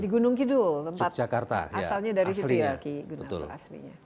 di gunung kidul tempat asalnya dari situ ya ki gunarto aslinya